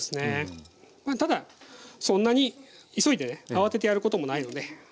まあただそんなに急いでね慌ててやることもないので。